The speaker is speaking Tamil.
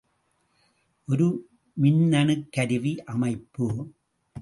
ஒரு மின்னணுக்கருவி அமைப்பு.